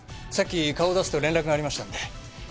さっき顔を出すと連絡がありましたんで。